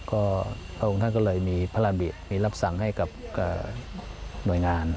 ก็พระองค์ท่านก็เลยมีพระรามบิมีรับสั่งให้กับหน่วยงาน